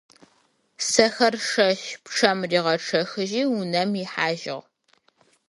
Сэхыр шэщ пчъэм ригъэчъэхыжьи унэм ихьажьыгъ.